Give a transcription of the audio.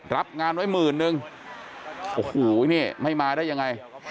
รับงานไว้หมื่นนึงโอ้โหนี่ไม่มาได้ยังไง